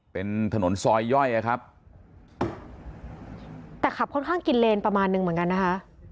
เป็นถนนซอยย่อยอะครับแต่ขับค่อนข้างกินเลนประมาณนึงเหมือนกันนะคะ